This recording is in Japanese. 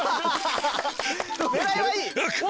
狙いはいい。